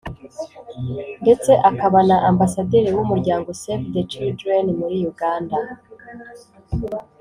ndetse akaba na Ambasaderi w'umuryango Save the Children muri Uganda